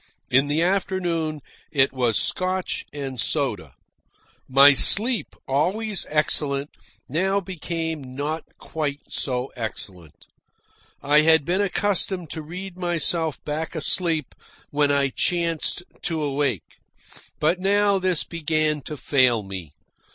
In the late afternoon it was Scotch and soda. My sleep, always excellent, now became not quite so excellent. I had been accustomed to read myself back asleep when I chanced to awake. But now this began to fail me.